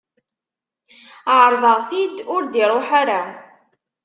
Ɛerḍeɣ-t-id, ur d-iruḥ ara.